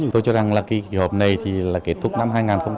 tôi cho rằng là kỳ họp này thì là kết thúc năm hai nghìn một mươi chín